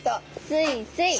スイスイ。